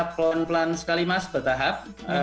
pelan pelan sekali mas bertahap